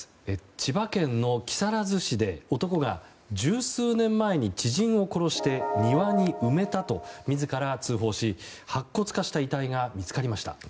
千葉県の木更津市で男が、十数年前に知人を殺して庭に埋めたと自ら通報し白骨化した遺体が見つかりました。